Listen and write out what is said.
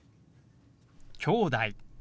「きょうだい」。